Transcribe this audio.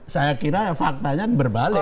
saya kira faktanya berbalik